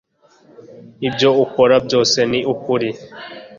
ibyo ukora byose ni kurira